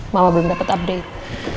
mama belum dapet update